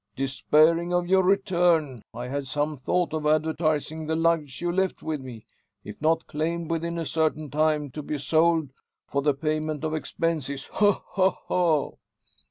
Despairing of your return, I had some thought of advertising the luggage you left with me, `if not claimed within a certain time, to be sold for the payment of expenses.' Ha! ha!"